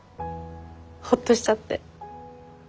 ホッとしちゃって。